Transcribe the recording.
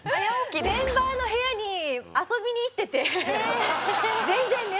メンバーの部屋に遊びに行ってて。